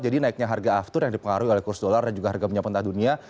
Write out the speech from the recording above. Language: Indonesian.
jadi naiknya harga aftur yang dipengaruhi oleh kursus dolar dan juga harga punya pentadunia